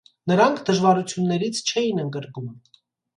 Նրանք դժվարություններից չէին ընկրկում։